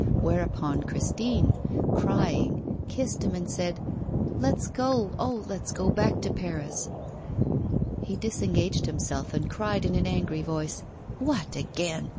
Whereupon, Christine, crying, kissed him and said: 'Let's go, oh, let us go back to Paris.' He disengaged himself, and cried in an angry voice: 'What, again!